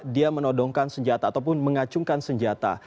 dia menodongkan senjata ataupun mengacungkan senjata